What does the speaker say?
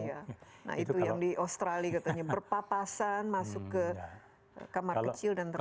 nah itu yang di australia katanya berpapasan masuk ke kamar kecil dan terna